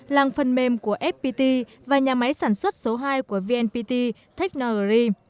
làng phân mêm của fpt và nhà máy sản xuất số hai của vnpt technuggery